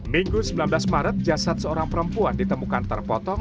minggu sembilan belas maret jasad seorang perempuan ditemukan terpotong